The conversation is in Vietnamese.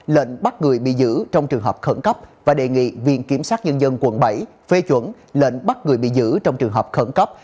lệnh bắt người bị giữ trong trường hợp khẩn cấp và đề nghị viện kiểm sát nhân dân quận bảy phê chuẩn lệnh bắt người bị giữ trong trường hợp khẩn cấp